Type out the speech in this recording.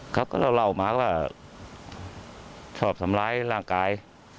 เขาก็เล่ามาว่าชอบทำร้ายร่างกาย